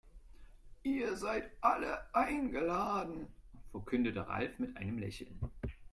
"Ihr seid alle eingeladen", verkündete Ralf mit einem Lächeln.